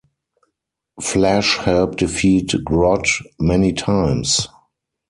Flash helped defeat Grodd many times.